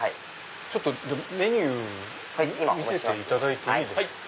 ちょっとメニュー見せていただいていいですか？